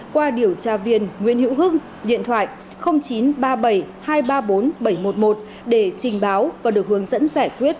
qua điều tra viên nguyễn hữu hưng điện thoại chín trăm ba mươi bảy hai trăm ba mươi bốn bảy trăm một mươi một để trình báo và được hướng dẫn giải quyết